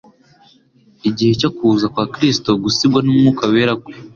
Igihe cyo kuza kwa Kristo, gusigwa n'Umwuka wera kwe,